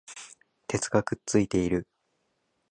鉄がくっついている